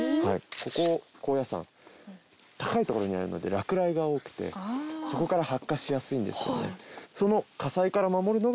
ここ高野山高い所にあるので落雷が多くてそこから発火しやすいんですよね。